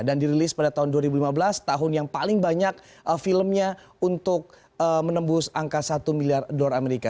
dan dirilis pada tahun dua ribu lima belas tahun yang paling banyak filmnya untuk menembus angka satu miliar dolar amerika